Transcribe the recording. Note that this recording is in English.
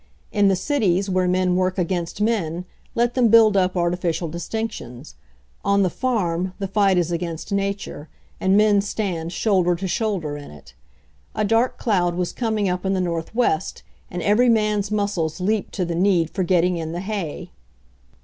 In the cities, where men work against men, let them build up artificial distinctions ; on the farm the fight is against nature, and men stand shoul der to shoulder in it. A dark cloud was coming up in the northwest, and every man's muscles leaped to the need for getting in the hay.